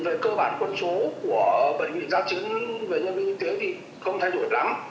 vậy cơ bản con số của bệnh viện gia chứng về nhân viên y tế thì không thay đổi lắm